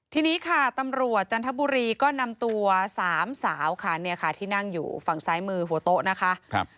ทีนี้ค่ะตำรวจจันทบุรีก็นำตัวสามสาวค่ะเนี่ยค่ะที่นั่งอยู่ฝั่งซ้ายมือหัวโต๊ะนะคะ